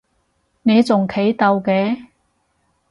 你仲企到嘅？